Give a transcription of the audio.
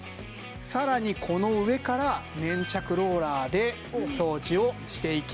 さらにこの上から粘着ローラーで掃除をしていきます。